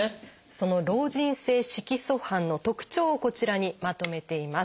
その老人性色素斑の特徴をこちらにまとめています。